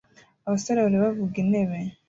Abasore babiri bavuga intebe